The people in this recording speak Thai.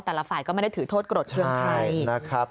แต่ละฝ่ายก็ไม่ได้ถือโทษกรดเชื่อใคร